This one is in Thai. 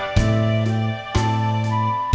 แต่ถ้าเธออยากยอมจะจบ